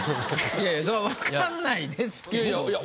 いやいやそら分かんないですけど。